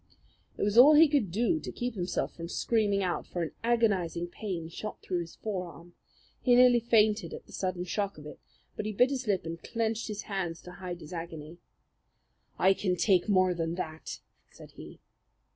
It was all he could do to keep himself from screaming out, for an agonizing pain shot through his forearm. He nearly fainted at the sudden shock of it; but he bit his lip and clenched his hands to hide his agony. "I can take more than that," said he.